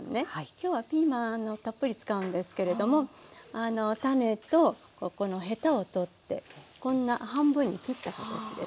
今日はピーマンたっぷり使うんですけれども種とこのヘタを取ってこんな半分に切った形ですね。